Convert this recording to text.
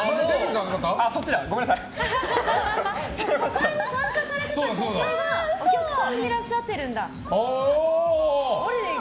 前に参加されていた方がお客さんでいらっしゃってるんだ。